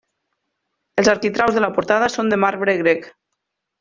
Els arquitraus de la portada són de marbre grec.